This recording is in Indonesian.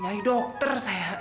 nyari dokter sayang